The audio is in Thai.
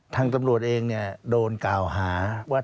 ทางตำรวจเองเนี่ยโดนก่าวหาว่า